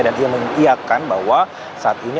dan ia mengiakkan bahwa saat ini